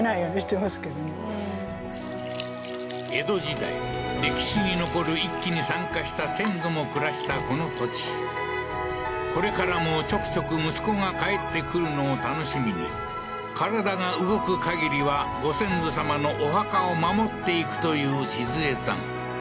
江戸時代歴史に残る一揆に参加した先祖も暮らしたこの土地これからもちょくちょく息子が帰ってくるのを楽しみに体が動くかぎりはご先祖さまのお墓を守っていくというしず恵さん